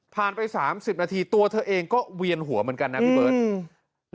ผ่านไป๓๐นาทีตัวเธอเองก็เวียนหัวเหมือนกันนะพี่เบิร์ต